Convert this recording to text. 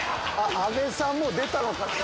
阿部さんもう出たのかな。